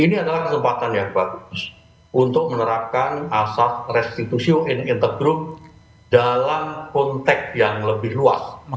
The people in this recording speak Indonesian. ini adalah kesempatan yang bagus untuk menerapkan asas restitusi in integroup dalam konteks yang lebih luas